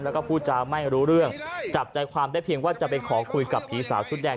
แล้วก็พูดจาไม่รู้เรื่องจับใจความได้เพียงว่าจะไปขอคุยกับอีสาวชุดแดง